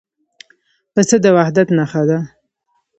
پسه د وحدت نښه ده.